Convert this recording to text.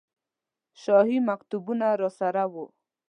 شاهي مکتوبونه راسره وو.